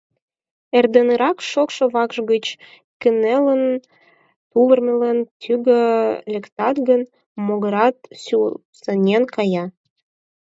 Эрденырак, шокшо вакш гыч кынелын, тувырмелын тӱгӧ лектат гын, могыретат сӱсанен кая.